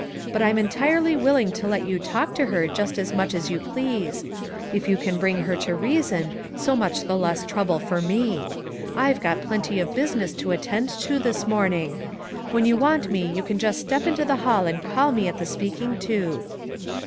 But I'm entirely willing to let you talk to her just as much as you please. If you can bring her to reason, so much the less trouble for me. I've got plenty of business to attend to this morning. When 108 A SEA OF TROUBLE you want me you can just step to the hall and call me at the speaking tube."